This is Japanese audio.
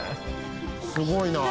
「すごいな」